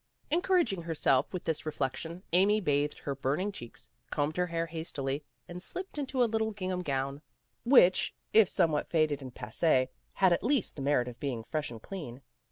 Encouraging herself with this reflection, Amy bathed her burning cheeks, combed her hair has tily, and slipped into a little gingham gown PEGGY RAYMOND'S WAY which, if somewhat faded and passee, had at least the merit of being fresh and clean.